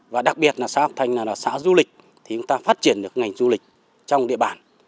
và đặc biệt là xã hợp thành là xã du lịch thì chúng ta phát triển được ngành du lịch trong địa bàn